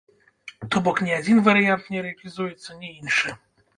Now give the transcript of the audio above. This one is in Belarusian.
То бок ні адзін варыянт не рэалізуецца, ні іншы.